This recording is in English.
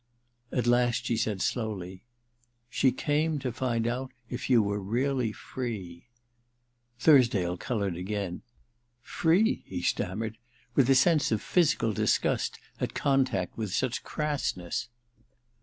At last she said slowly: *She came to find out if you were really free.* Thursdale coloured again. * Free ?' he stammered, with a sense of physical disgust at contact with such crassness.